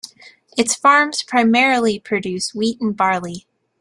Its farms primarily produce wheat and barley.